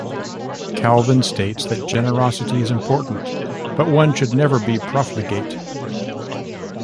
Calvin states that generosity is important, but one should never be profligate.